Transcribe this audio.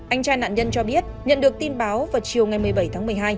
anh trai nạn nhân cho biết nhận được tin báo vào chiều ngày một mươi bảy tháng một mươi hai